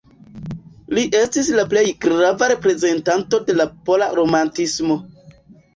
Li estis la plej grava reprezentanto de la pola romantismo.